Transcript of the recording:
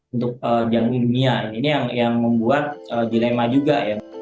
untuk jagung dunia ini yang membuat dilema juga